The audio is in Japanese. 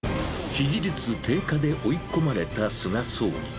支持率低下で追い込まれた菅総理。